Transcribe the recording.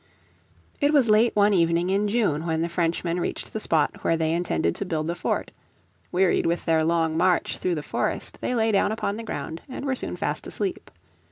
It was late one evening in June when the Frenchmen reached the spot where they intended to build the fort; wearied with their long march through the forest they lay down upon the ground and were soon fast asleep.